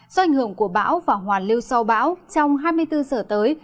do ảnh hưởng của báo và hoàn lưu sau báo trong hai mươi bốn giờ tới